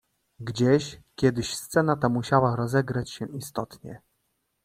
"Gdzieś, kiedyś scena ta musiała rozegrać się istotnie."